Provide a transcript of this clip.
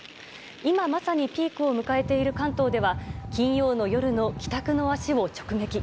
今、まさにピークを迎えている関東では金曜の夜の帰宅の足を直撃。